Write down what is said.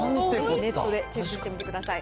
ネットでチェックしてみてください。